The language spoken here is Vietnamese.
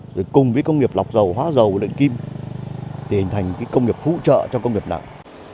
rồi cùng với công nghiệp lọc dầu hóa dầu luyện kim để hình thành cái công nghiệp hỗ trợ cho công nghiệp nặng